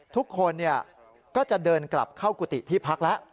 ทุกคนก็จะเดินกลับเข้ากุฏิที่พักแล้ว